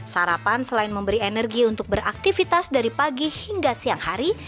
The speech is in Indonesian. sarapan selain memberi energi untuk beraktivitas dari pagi hingga siang hari